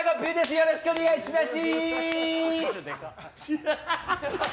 よろしくお願いします。